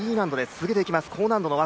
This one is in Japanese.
続けていきます。